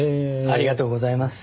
ありがとうございます。